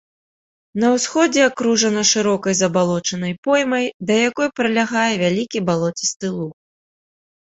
На ўсходзе акружана шырокай забалочанай поймай, да якой прылягае вялікі балоцісты луг.